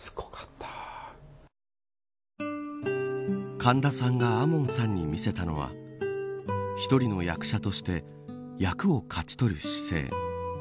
神田さんが亞門さんに見せたのは１人の役者として役を勝ち取る姿勢。